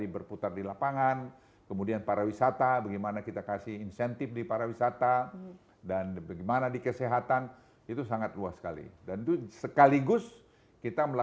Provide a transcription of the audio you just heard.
bukan ting teng juga